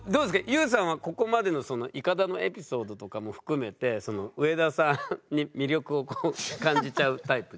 ＹＯＵさんはここまでのイカダのエピソードとかも含めて上田さんに魅力を感じちゃうタイプですか？